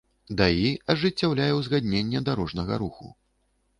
ДАІ ажыццяўляе ўзгадненне дарожнага руху